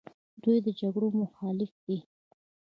دوی د جګړو مخالف دي.